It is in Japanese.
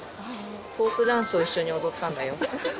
フォークダンスを一緒に踊ったんだよ。